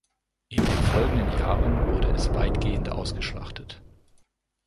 In den folgenden Jahren wurde es weitgehend ausgeschlachtet.